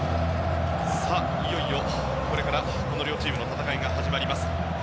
いよいよ、これからこの両チームの戦いが始まります。